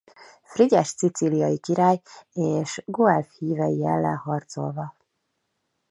Frigyes szicíliai király és guelf hívei ellen harcolva.